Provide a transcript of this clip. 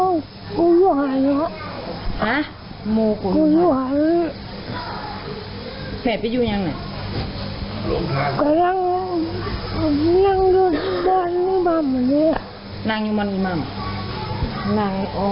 นี่ก็แพ้นะ